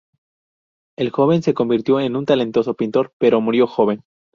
El joven se convirtió en un talentoso pintor, pero murió joven.